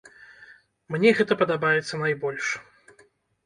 Мне гэта падабаецца найбольш.